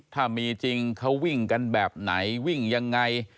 ถ้ามีจริงเขาวิ่งกันแบบไหนวิ่งยังไง